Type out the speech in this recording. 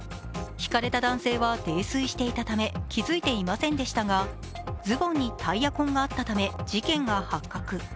ひかれた男性は泥酔していたため気付いていませんでしたがズボンにタイヤ痕があったため、事件が発覚。